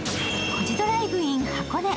「コジドライブ」ｉｎ箱根。